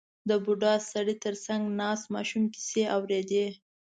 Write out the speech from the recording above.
• د بوډا سړي تر څنګ ناست ماشوم کیسې اورېدې.